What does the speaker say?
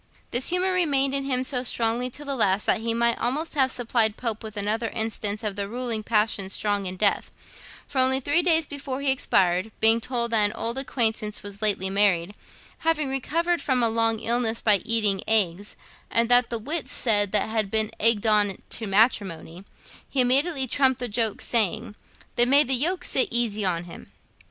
This humour remained in him so strongly to the last that he might almost have supplied Pope with another instance of 'the ruling passion strong in death,' for only three days before he expired, being told that an old acquaintance was lately married, having recovered from a long illness by eating eggs, and that the wits said that he had been egged on to matrimony, he immediately trumped the joke, saying, 'Then may the yoke sit easy on him.'